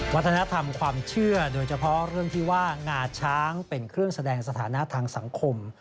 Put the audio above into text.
วัฒนธรรมความเชื่อโดยเฉพาะเรื่องที่ว่างาช้างเป็นเครื่องแสดงสถานะทางสังคม